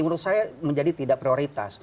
menurut saya menjadi tidak prioritas